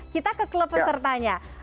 kita ke klub pesertanya